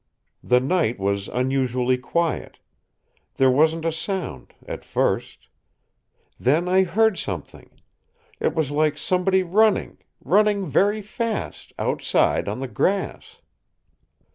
The night was unusually quiet. There wasn't a sound at first. Then I heard something. It was like somebody running, running very fast, outside, on the grass."